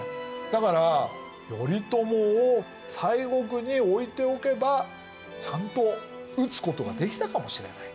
だから頼朝を西国に置いておけばちゃんと討つことができたかもしれない。